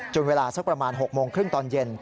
เวลาสักประมาณ๖โมงครึ่งตอนเย็น